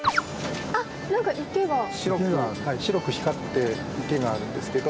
白く光って池があるんですけど。